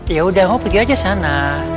yaudah mau pergi aja sana